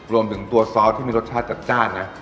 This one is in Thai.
รวมถึงตัวซอสที่มีรสชาติจัดจ้านนะ